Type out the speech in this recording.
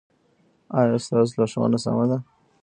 ایا ستاسو لارښوونه سمه ده؟